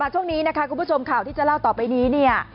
ช่วงนี้กุณผู้ชมข่าวที่จะเล่าต่อไปนี้